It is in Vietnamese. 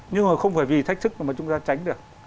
nhưng mà không phải vì thách thức mà chúng ta tránh được